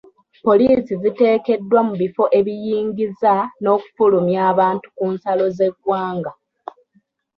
Poliisi ziteekeddwa mu bifo ebiyingiza n'okufulumya abantu ku nsalo z'eggwanga.